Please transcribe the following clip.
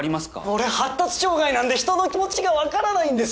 俺発達障害なんで人の気持ちが分からないんです。